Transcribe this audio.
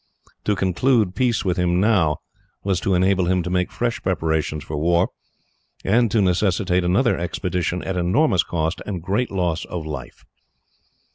To conclude peace with him, now, was to enable him to make fresh preparations for war, and to necessitate another expedition at enormous cost and great loss of life.